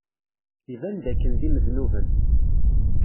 Iban dakken d imednuben.